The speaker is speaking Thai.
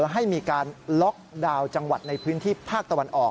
ให้มีการล็อกดาวน์จังหวัดในพื้นที่ภาคตะวันออก